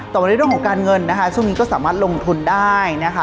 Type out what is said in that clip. มาในเรื่องของการเงินนะคะช่วงนี้ก็สามารถลงทุนได้นะคะ